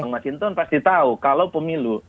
masinton pasti tahu kalau pemilu